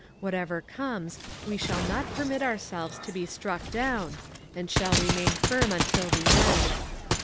Whatever comes, we shall not permit ourselves to be struck down, and shall remain firm until the end."